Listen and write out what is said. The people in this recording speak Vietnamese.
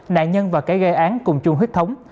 nạn nhân và kẻ gây án cùng chung huyết thống